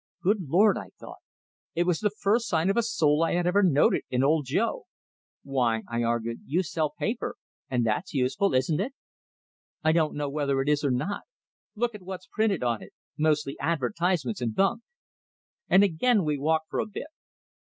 "Good Lord!" I thought; it was the first sign of a soul I had ever noted in Old Joe! "Why," I argued, "you sell paper, and that's useful, isn't it?" "I don't know whether it is or not. Look at what's printed on it mostly advertisements and bunk." And again we walked for a bit.